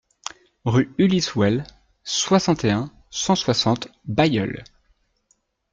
Rue Ulysse Houel, soixante et un, cent soixante Bailleul